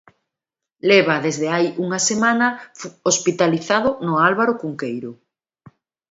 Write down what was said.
Leva desde hai unha semana hospitalizado no Álvaro Cunqueiro.